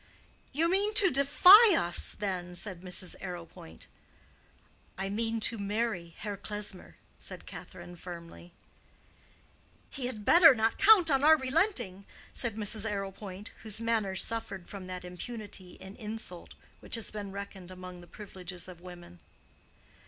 "You mean to defy us, then?" said Mrs. Arrowpoint. "I mean to marry Herr Klesmer," said Catherine, firmly. "He had better not count on our relenting," said Mrs. Arrowpoint, whose manners suffered from that impunity in insult which has been reckoned among the privileges of women.